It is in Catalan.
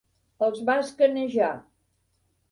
Els va escanejar.